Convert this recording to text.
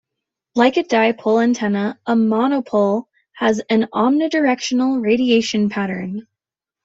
Like a dipole antenna, a monopole has an omnidirectional radiation pattern.